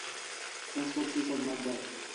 Change করছি চোদনার দল!